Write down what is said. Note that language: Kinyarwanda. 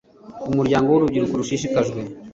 Umuryango w Urubyiruko Rushishikajwe